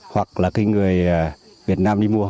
hoặc là người việt nam đi mua